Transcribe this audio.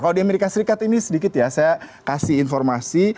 kalau di amerika serikat ini sedikit ya saya kasih informasi